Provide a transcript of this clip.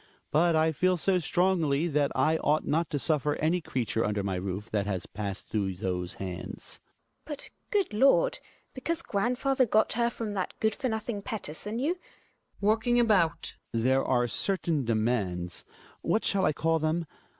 But I feel so strongly that I ought not to suffer any creature under my roof that has passed through those hands. GiNA But, good Lord, because grandfather got her from that good for nothing Petterson, you Hjalmar {walking about). There are certain demands. What shall I call them